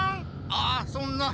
あそんな！